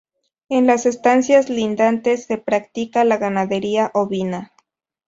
En las estancias lindantes se practica la ganadería ovina.